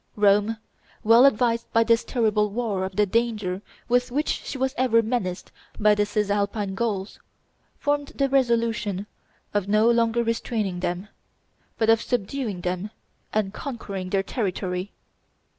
Rome, well advised by this terrible war of the danger with which she was ever menaced by the Cisalpine Gauls, formed the resolution of no longer restraining them, but of subduing them and conquering their territory.